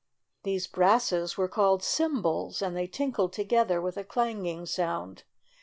These brasses were called "cymbals," and they tinkled together with a clanging sound.